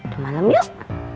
ke malam yuk